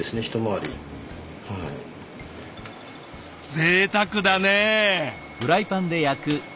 ぜいたくだね。